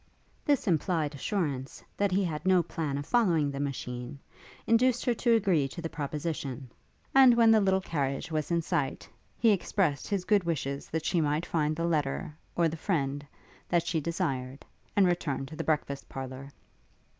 This implied assurance, that he had no plan of following the machine, induced her to agree to the proposition; and, when the little carriage was in sight, he expressed his good wishes that she might find the letter, or the friend, that she desired, and returned to the breakfast parlour.